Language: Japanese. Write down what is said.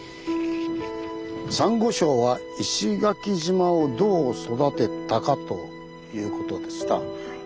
「サンゴ礁は石垣島をどう育てたか？」ということでした。